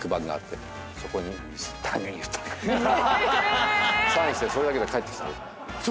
サインしてそれだけで帰ってきた。